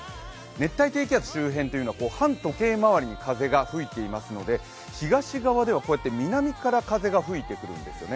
熱帯低気圧周辺というのは反時計回りに風が吹いていますので東側では南から風が吹いてくるんですよね。